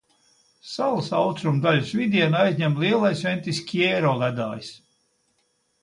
Salas austrumu daļas vidieni aizņem Lielais Ventiskjero ledājs.